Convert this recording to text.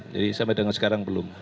jadi sampai dengan sekarang belum